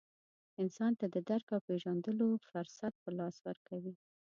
انسان ته د درک او پېژندلو فرصت په لاس ورکوي.